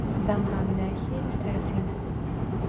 Daňdan nähili täsin.